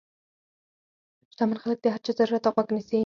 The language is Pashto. شتمن خلک د هر چا ضرورت ته غوږ نیسي.